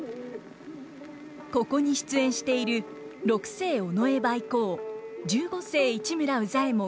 ここに出演している六世尾上梅幸十五世市村羽左衛門